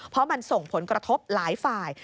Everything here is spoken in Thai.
เพราะมันส่งผลกระทบหลายฝ่าย